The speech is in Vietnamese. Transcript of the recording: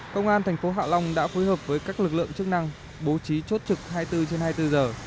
công an thành phố hạ long đã phối hợp với các lực lượng chức năng bố trí chốt trực hai mươi bốn trên hai mươi bốn giờ